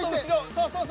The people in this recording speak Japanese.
そうそう。